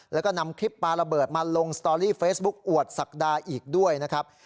แล้วก็นำคลิปปลาระเบิดมาลงสตอรี่เฟซบุ๊คอวดศักดาอีกด้วยนะครับ